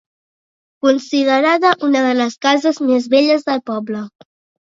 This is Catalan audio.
Considerada una de les cases més velles del poble.